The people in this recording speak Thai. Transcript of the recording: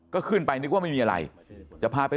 ก็ขึ้นไปคิดว่าไม่มีอะไร